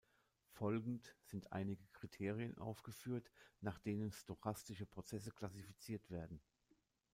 Folgend sind einige Kriterien aufgeführt, nach denen stochastische Prozesse klassifiziert werden.